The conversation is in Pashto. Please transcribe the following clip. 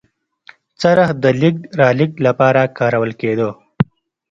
څرخ د لېږد رالېږد لپاره کارول کېده.